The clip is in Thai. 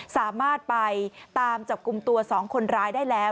สามารถไปตามจับกลุ่มตัว๒คนร้ายได้แล้ว